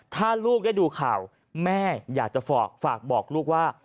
ถ้าลูกได้ดูข่าวแม่อยากจะฝากบอกลูกว่า